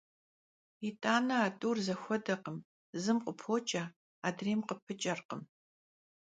Yit'ani a t'ur zexuedekhım: zım khıpoç'e, adrêym khıpı ç'erkhım.